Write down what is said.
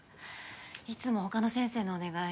いつも他の先生のお願い